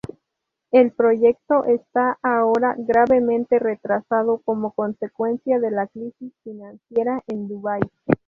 El proyecto está ahora gravemente retrasado como consecuencia de la crisis financiera en Dubai.